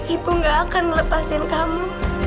ibu gak akan melepaskan kamu